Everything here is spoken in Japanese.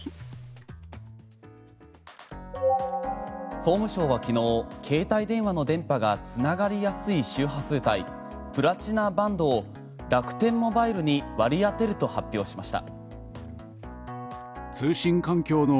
総務省は昨日携帯電話の電波が繋がりやすい周波数帯、プラチナバンドを楽天モバイルに割り当てると発表しました。